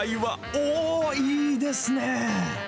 おー、いいですね。